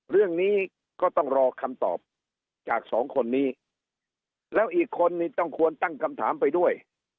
เรื่องนี้ก็ต้องรอคำตอบจากสองคนนี้แล้วอีกคนนี้ต้องควรตั้งคำถามไปด้วย